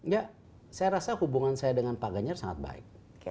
ya saya rasa hubungan saya dengan pak ganjar sangat baik